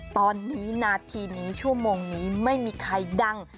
ตอนนี้นาทีนี้ชั่วโมงนี้ไม่มีใครดัง